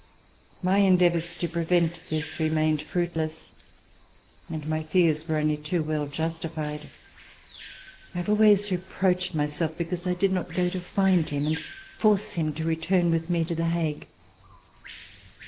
My endeavors to prevent this remained fruitless and my fears were only too well justified. I have always reproached my self because I did not go to find him and force him to return with me to The Hague.